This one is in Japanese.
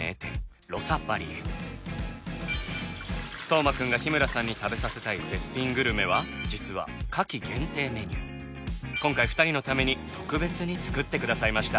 斗真君が日村さんに食べさせたい絶品グルメは実は今回２人のために特別に作ってくださいました！